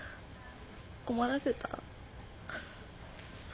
困らせた？